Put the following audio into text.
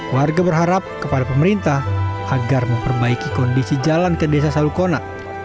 warga berharap kepada pemerintah agar memperbaiki kondisi jalan ke desa salukona